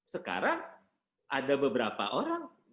sekarang ada beberapa orang